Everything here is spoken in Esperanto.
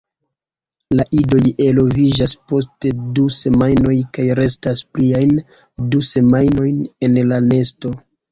La idoj eloviĝas post du semajnoj kaj restas pliajn du semajnojn en la nesto.